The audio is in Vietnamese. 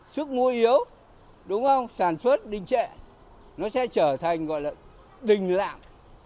sức mua yếu đúng không sản xuất đình trệ nó sẽ trở thành gọi là đình lạm